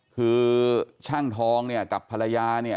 คือช่างทองเนี่ยกับภรรยาเนี่ย